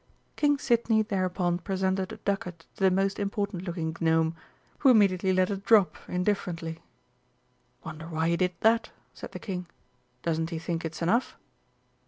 King Sidney thereupon presented a ducat to the most important looking Gnome, who immediately let it drop indifferently. "Wonder why he did that?" said the King. "Doesn't he think it's enough?"